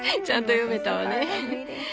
ちゃんと読めたわね！